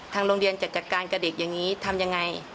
โรงเรียนจะจัดการกับเด็กอย่างนี้ทำยังไง